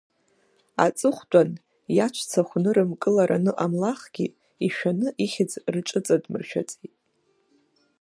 Аҵыхәтәан, иаҵәцахә нырымкылар аныҟамлахгьы, ишәаны ихьӡ рҿыҵадмыршәаӡеит.